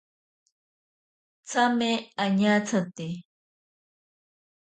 Tsame añatsate.